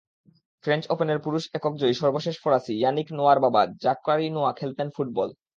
French ওপেনের পুরুষ এককজয়ী সর্বশেষ ফরাসি ইয়ানিক নোয়ার বাবা জাকারি নোয়া খেলতেন ফুটবল।